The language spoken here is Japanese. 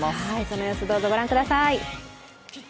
その様子をどうぞご覧ください。